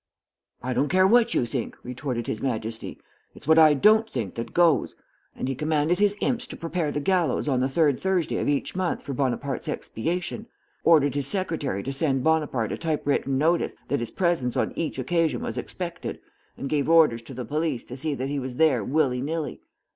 "'I don't care what you think,' retorted his Majesty. 'It's what I don't think that goes;' and he commanded his imps to prepare the gallows on the third Thursday of each month for Bonaparte's expiation; ordered his secretary to send Bonaparte a type written notice that his presence on each occasion was expected, and gave orders to the police to see that he was there willy nilly.